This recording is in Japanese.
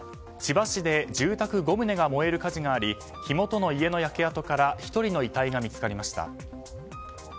千葉市で住宅５棟が燃える火事があり火元の家の焼け跡から１人の遺体が見つかりました。